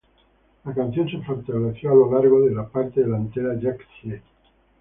La canción se fortaleció a lo largo de la parte delantera Yangtze.